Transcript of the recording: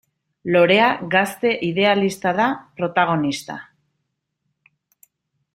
Lorea gazte idealista da protagonista.